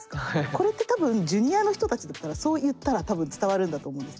これって多分ジュニアの人たちだったらそう言ったら多分伝わるんだと思うんですけど。